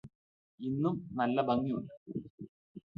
ഇന്നും നല്ല ഭംഗിയുണ്ട്